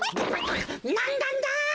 なんなんだ！